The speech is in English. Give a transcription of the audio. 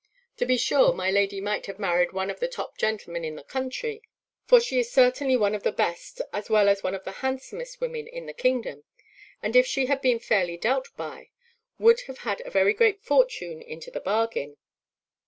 To be sure, my lady might have married one of the top gentlemen in the country; for she is certainly one of the best as well as one of the handsomest women in the kingdom; and, if she had been fairly dealt by, would have had a very great fortune into the bargain.